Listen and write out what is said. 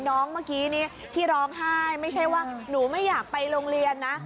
เมื่อกี้นี้ที่ร้องไห้ไม่ใช่ว่าหนูไม่อยากไปโรงเรียนนะ